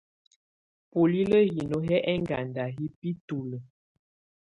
Bulilǝ́ hino hɛ́ ɛŋganda yɛ́ bǝ́tulǝ́.